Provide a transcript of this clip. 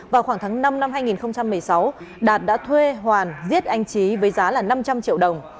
vào khoảng tháng năm năm hai nghìn một mươi sáu đạt đã thuê hoàn giết anh trí với giá là năm trăm linh triệu đồng